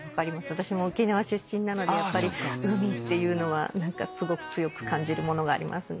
私も沖縄出身なのでやっぱり海っていうのは何かすごく強く感じるものがありますね。